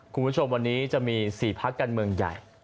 คุณผู้ชมวันนี้จะมีสี่ภาคกันเมืองใหญ่